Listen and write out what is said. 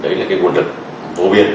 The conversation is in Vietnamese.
đấy là cái nguồn lực phổ biến